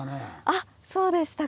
あそうでしたか。